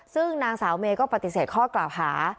ซึ่งนางสาวเมย์ก็ปฏิเสธข้อกล่าวหา